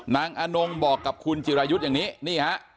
นางอนงบอกกับคุณจิรายุทธ์อย่างนี้